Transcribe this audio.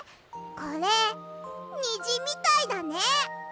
これにじみたいだね。